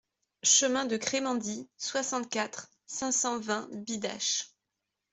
Chemin de Crémendy, soixante-quatre, cinq cent vingt Bidache